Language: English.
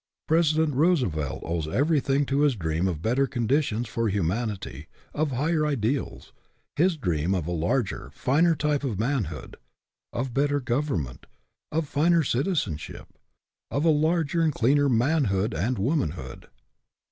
President Roosevelt owes everything to his dream of better conditions for humanity, of higher ideals ; his dream of a larger, finer type of manhood ; of better government, of a finer citizenship, of a larger and cleaner manhood and womanhood.